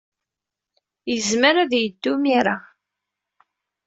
Yezmer ad yeddu imir-a.